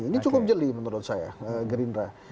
ini cukup jeli menurut saya green ray